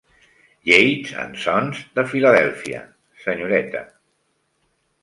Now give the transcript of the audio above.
Yates and Sons de Filadèlfia, senyoreta.